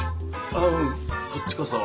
ううんこっちこそ。